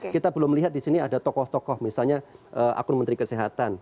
kita belum lihat di sini ada tokoh tokoh misalnya akun menteri kesehatan